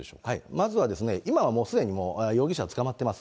まずは、今はもうすでに容疑者は捕まってます。